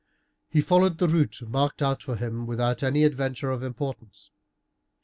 He followed the route marked out for him without any adventure of importance.